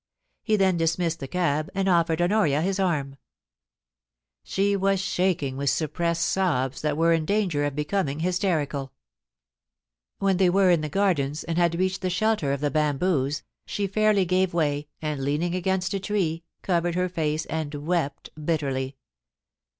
He then dismissed the cab and offered Honoria his arm. She was shaking with suppressed sobs that were in danger of becoming hysterical. When they were in the Gardens and had reached the shelter of the bamboos, she fairly gave way, and, leaning against a tree, covered her face and wept bitterly.